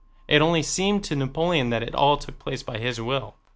It only seemed to Napoleon that it all took place by his will.